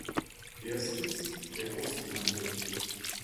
Erstens, der Außenhandel.